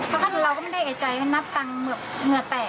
เพราะว่าเราก็ไม่ได้ไอใจกับนับตังค์เหมือนเหนือแตก